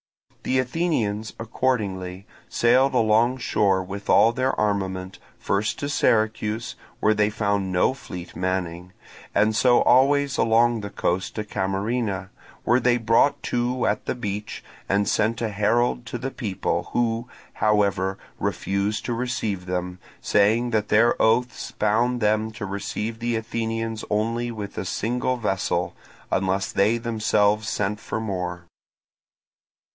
The Athenians accordingly sailed alongshore with all their armament, first to Syracuse, where they found no fleet manning, and so always along the coast to Camarina, where they brought to at the beach, and sent a herald to the people, who, however, refused to receive them, saying that their oaths bound them to receive the Athenians only with a single vessel, unless they themselves sent for more.